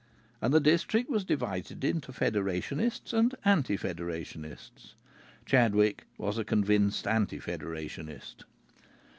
And the district was divided into Federationists and anti Federationists. Chadwick was a convinced anti Federationist.